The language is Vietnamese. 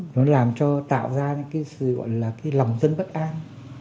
nó làm cho tạo ra những cái sự gọi là cái lòng dân bất an